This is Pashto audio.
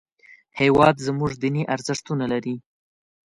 هېواد زموږ دیني ارزښتونه لري